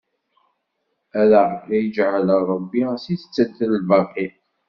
Ad aɣ-iǧɛel Ṛebbi si ttelt lbaqi!